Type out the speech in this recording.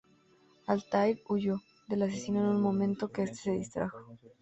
Altair huyó del asesino en un momento que este se distrajo.